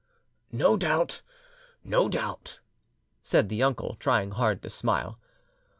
"No doubt, no doubt," said the uncle, trying hard to smile.